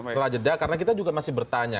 selanjutnya karena kita juga masih bertanya